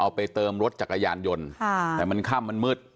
ไปเติมรถจักรยานยนต์แต่มันค่ำมันมืด